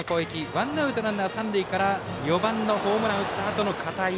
ワンアウト、ランナー、三塁から４番、ホームランを打ったあとの片井。